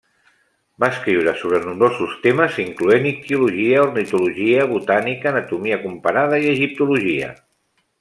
Va escriure sobre nombrosos temes incloent ictiologia, ornitologia, botànica, anatomia comparada i egiptologia.